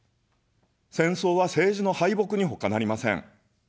戦争は政治の敗北にほかなりません。